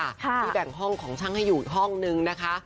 ที่แบ่งห้องของช่างให้อยู่อีกห้องนึงนะคะ